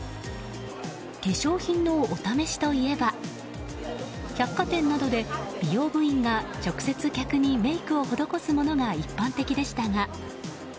化粧品のお試しといえば百貨店などで美容部員が直接、客にメイクを施すものが一般的でしたが。